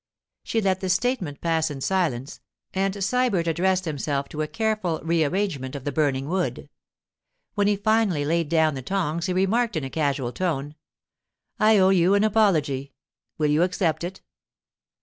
She let the statement pass in silence, and Sybert addressed himself to a careful rearrangement of the burning wood. When he finally laid down the tongs he remarked in a casual tone, 'I owe you an apology—will you accept it?